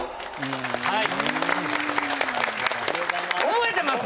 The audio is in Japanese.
覚えてます？